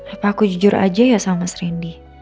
apa aku jujur aja ya sama mas randy